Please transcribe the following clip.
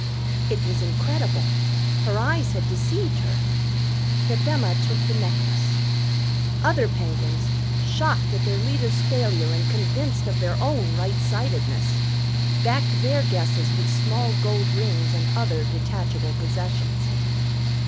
It was incredible. Her eyes had deceived her. Pip Emma took the necklace. Other Penguins, shocked at their leader's failure and convinced of their own right sightedness, backed their guesses with small gold rings and other detachable possessions.